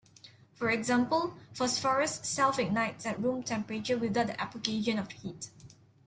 For example, phosphorus self-ignites at room temperature without the application of heat.